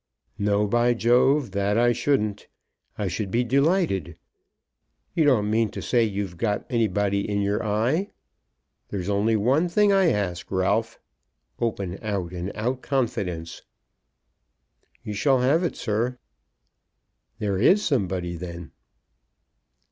"No, by Jove; that I shouldn't. I should be delighted. You don't mean to say you've got anybody in your eye. There's only one thing I ask, Ralph; open out and out confidence." "You shall have it, sir." "There is somebody, then."